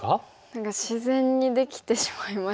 何か自然にできてしまいましたね。